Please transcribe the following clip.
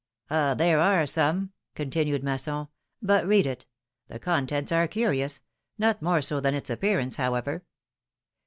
^^Ah ! there are some/^ continued Masson ; but read it. The contents are curious — not more so than its appearance, however.